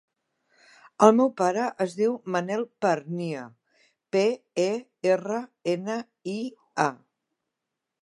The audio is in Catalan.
El meu pare es diu Manel Pernia: pe, e, erra, ena, i, a.